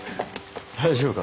大丈夫か？